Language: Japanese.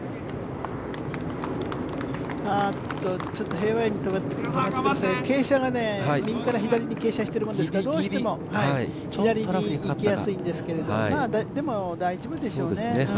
フェアウエーに止まって、傾斜が右から左に傾斜してるのでどうしても左に行きやすいんですけれども、でも大丈夫でしょうね。